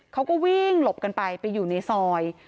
เขาก็วิ่งหลบกันไปไปอยู่ในซอย